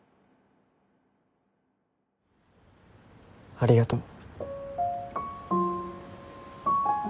ありがとう。